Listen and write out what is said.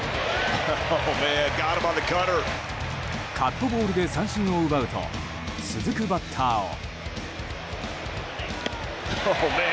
カットボールで三振を奪うと続くバッターを。